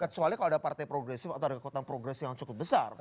kecuali kalau ada partai progresif atau ada kekuatan progresif yang cukup besar